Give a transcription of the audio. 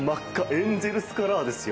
エンゼルスカラーですよ。